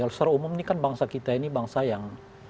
secara umum ini kan bangsa kita ini bangsa yang